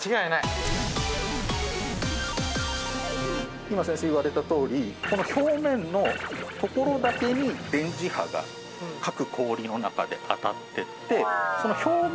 今先生言われたとおりこの表面のところだけに電磁波が各氷の中で当たっていって。